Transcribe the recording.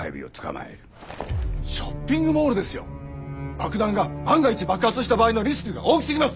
爆弾が万が一爆発した場合のリスクが大きすぎます！